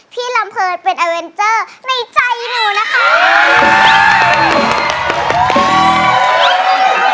พี่ลำเพิร์นเป็นโลศนิยักษ์ในใจหนูครับ